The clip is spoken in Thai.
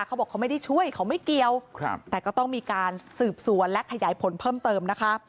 เขาบอกเขาไม่ได้ช่วยเขาไม่เกี่ยวแต่ก็ต้องมีการสืบสวนและขยายผลเพิ่มเติมนะคะ